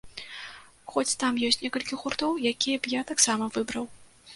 Хоць там ёсць некалькі гуртоў, якія я б таксама выбраў.